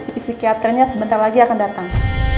psikiaternya sebentar lagi akan datang